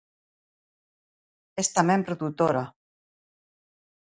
Es tamén produtora.